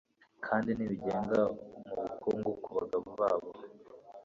kandi ntibigenga mubukungu kubagabo babo